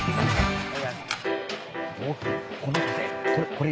これ。